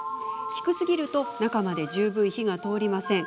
低すぎると中まで十分、火が通りません。